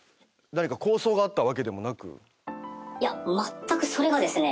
いやまったくそれがですね